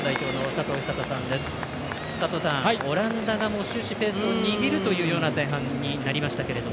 佐藤さん、オランダが終始ペースを握るというような前半になりましたけれど。